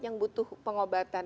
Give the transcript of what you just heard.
yang butuh pengobatan